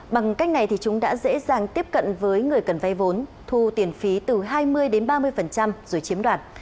bằng cách này thì chúng đã dễ dàng tiếp cận với người cần vay vốn thu tiền phí từ hai mươi đến ba mươi rồi chiếm đoạt